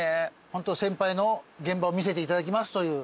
ホント先輩の現場を見せていただきますという。